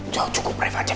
jauh cukup reva